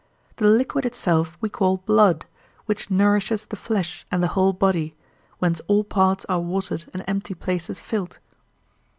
The liquid itself we call blood, which nourishes the flesh and the whole body, whence all parts are watered and empty places filled.